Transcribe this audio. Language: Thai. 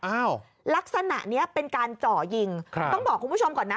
ลักษณะนี้เป็นการเจาะยิงครับต้องบอกคุณผู้ชมก่อนนะ